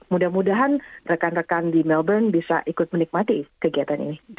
mudah mudahan rekan rekan di melbourne bisa ikut menikmati kegiatan ini